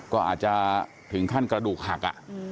ก็อาจจะถึงขั้นกระดูกหัก